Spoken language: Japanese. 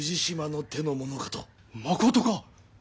まことか！？